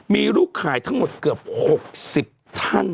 มีลูกขายทั้งหมดเกือบ๖๐ท่าน